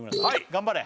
頑張れ